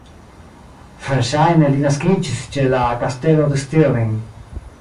Verŝajne li naskiĝis ĉe la Kastelo de Stirling.